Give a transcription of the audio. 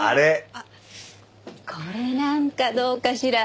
あっこれなんかどうかしら？